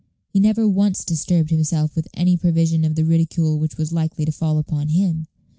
He never once disturbed himself with any prevision of the ridicule which was likely to fall upon him.